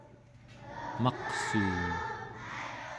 maqsuun